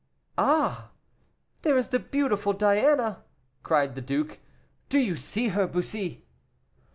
"Ah, there is the beautiful Diana!" cried the duke; "do you see her, Bussy?"